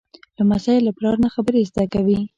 لمسی له پلار نه خبرې زده کوي.